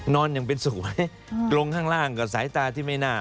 นอนอย่างเป็นสวยลงข้างล่างกับสายตาที่ไม่น่า